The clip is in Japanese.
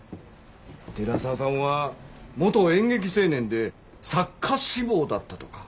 寺沢さんは元演劇青年で作家志望だったとか。